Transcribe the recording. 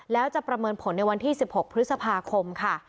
แล้วจะประเมินผลในวันที่๑๖พฤษภาคมค่ะ